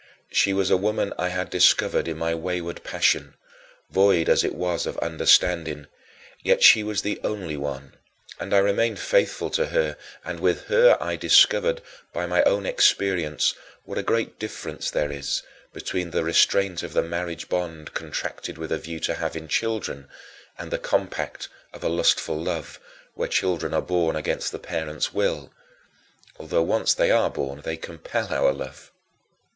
She was a woman I had discovered in my wayward passion, void as it was of understanding, yet she was the only one; and I remained faithful to her and with her I discovered, by my own experience, what a great difference there is between the restraint of the marriage bond contracted with a view to having children and the compact of a lustful love, where children are born against the parents' will although once they are born they compel our love.